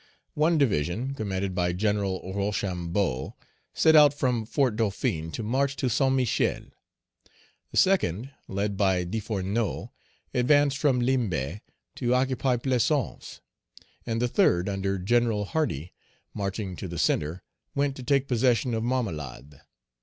One division, commanded by General Rochambeau, set out from Fort Dauphin to march to Saint Michel; the second, led by Desfourneaux, advanced from Limbé to occupy Plaisance; and the third, under General Hardy, marching to the centre, went to take possession of Marmelade.